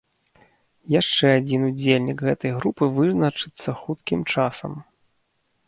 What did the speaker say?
Яшчэ адзін удзельнік гэтай групы вызначыцца хуткім часам.